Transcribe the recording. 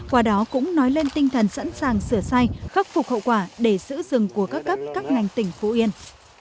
qua đó cũng nói lên tinh thần sẵn sàng sửa sai khắc phục hậu quả để giữ rừng của các cấp các ngành tỉnh phú yên